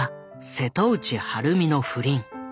瀬戸内晴美の不倫。